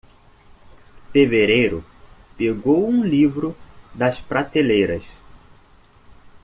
Fevereiro pegou um livro das prateleiras.